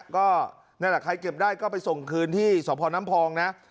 ก็นั่นแหละใครเก็บได้ก็ไปส่งคืนที่สพน้ำพองนะ